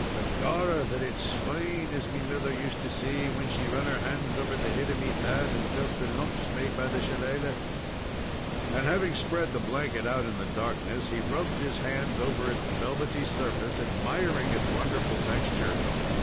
Begorrah! but its fine, as me mither used to say when she run her hands over the head of me dad, and felt the lumps made by the shillelah." And, having spread the blanket out in the dark ness, he rubbed his hands over its velvety surface, admiring its wonderful texture.